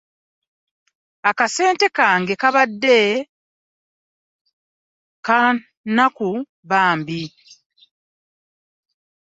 Akasente kange kabadde ka kinaku bambi.